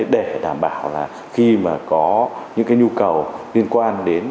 để đảm bảo là khi mà có những cái nhu cầu liên quan đến